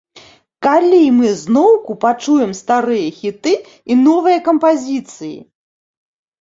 Калі мы зноўку пачуем старыя хіты і новыя кампазіцыі?